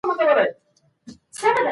بهرنۍ پالیسي د خبرو اترو بدیل نه لري.